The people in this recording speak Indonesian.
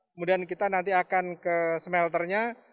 kemudian kita nanti akan ke smelternya